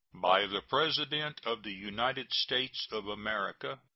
BY THE PRESIDENT OF THE UNITED STATES OF AMERICA.